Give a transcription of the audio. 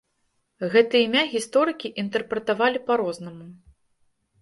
Гэта імя гісторыкі інтэрпрэтавалі па-рознаму.